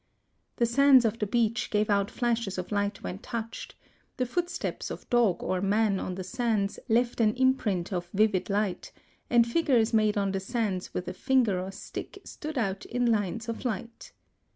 The sands of the beach gave out flashes of light when touched; the footsteps of dog or man on the sands left an imprint of vivid light, and figures made on the sands with a finger or stick stood out in lines of light.